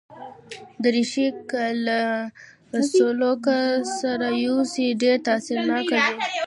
دریشي که له سلوکه سره یوسې، ډېر تاثیرناک وي.